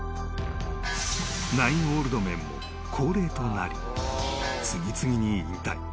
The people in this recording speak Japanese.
［ナイン・オールド・メンも高齢となり次々に引退］